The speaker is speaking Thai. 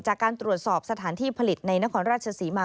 จากการตรวจสอบสถานที่ผลิตในนครราชศรีมา